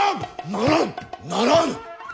ならん！ならぬ。